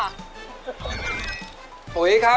คนที่๒เลยคะ